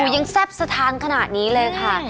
ยังแซ่บสะทานขนาดนี้เลยค่ะ